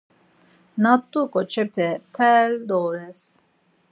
Na t̆u ǩoç̌epe mtel doğures.